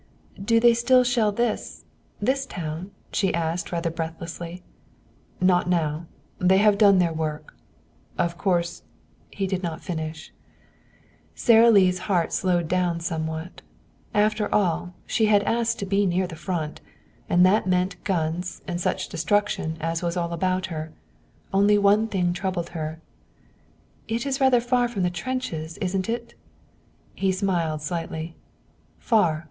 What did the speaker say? "Do they still shell this this town?" she asked, rather breathlessly. "Not now. They have done their work. Of course " he did not finish. Sara Lee's heart slowed down somewhat. After all, she had asked to be near the Front. And that meant guns and such destruction as was all about her. Only one thing troubled her. "It is rather far from the trenches, isn't it?" He smiled slightly. "Far!